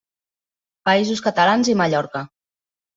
Països Catalans i Mallorca.